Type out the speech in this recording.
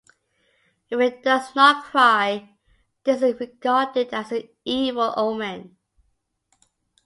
If it does not cry, this is regarded as an evil omen.